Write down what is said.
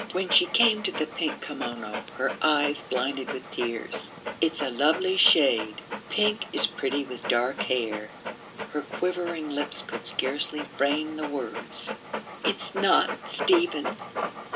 When she came to the pink kimono her eyes blinded with tears. 'It's a lovely shade. Pink is pretty with dark hair.' Her quivering lips could scarcely frame the words. 'It's not Stephen.